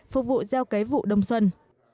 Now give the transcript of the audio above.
phục vụ giao kế vụ đông xuân